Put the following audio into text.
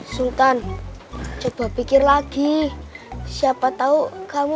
sultan coba pikir lagi siapa tahu kamu